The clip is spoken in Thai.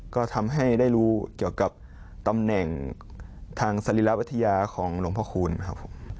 ก็ทำให้ได้รู้เกี่ยวกับตำแหน่งทางสรีระวิทยาของหลวงพระคูณครับผม